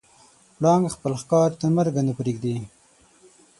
پړانګ خپل ښکار تر مرګه نه پرېږدي.